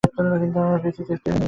আমার প্রীতি দেখতে জবরদস্ত, তাইনা?